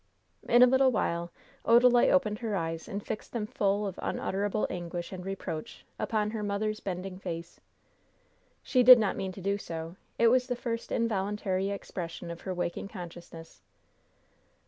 In a little while Odalite opened her eyes and fixed them full of unutterable anguish and reproach upon her mother's bending face. She did not mean to do so. It was the first involuntary expression of her waking consciousness.